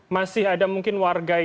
masih ada mungkin warga yang